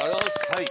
はい。